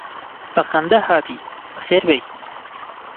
بە خەندە هاتی بەخێر بێی